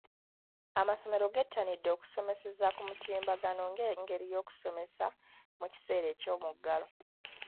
Amasomero gettanidde okusomeseza ku mutimbagano ng'engeri y'okusomesa mu kiseera eky'omuggalo.